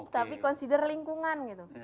tapi consider lingkungan gitu